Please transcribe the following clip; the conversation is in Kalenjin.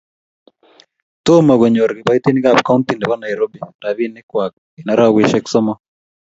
Tomo konyor kibaitinik ab kaunti nebo nairobi rabinik kwak eng araweshek somok